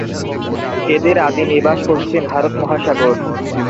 এদের আদি নিবাস পশ্চিম ভারত মহাসাগর।